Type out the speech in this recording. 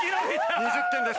２０点です。